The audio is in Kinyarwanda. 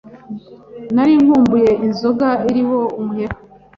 Nari nkumbuye inzoga iri ho umuheha